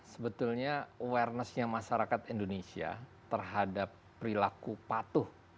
sebetulnya awarenessnya masyarakat indonesia terhadap perilaku patuh